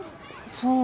そう。